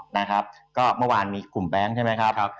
นะครับก็เมื่อวานมีกลุ่มแบงค์ใช่ไหมครับ